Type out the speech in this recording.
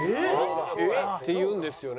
って言うんですよね。